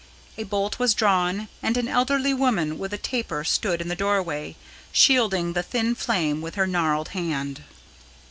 A bolt was drawn, and an elderly woman with a taper stood in the doorway, shielding the thin flame with her gnarled hand.